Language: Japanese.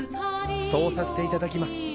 そうさせていただきます。